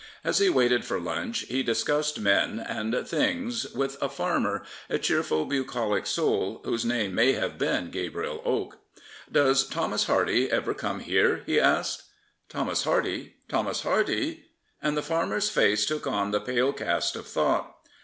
As he waited for lunch he discussed men and things with a farmer, a cheerful, buc^ic soul, whose name may have been Gabriel Oak.^ " Does Thomas Hardy ever come here? he asked. ''Thomas Hardy! Thomas Hardy!'* and the farmer's face took on the pale cast of thought.